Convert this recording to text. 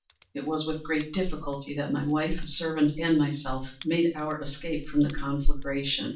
It was with great difficulty that my wife, a servant, and myself, made our escape from the conflagration.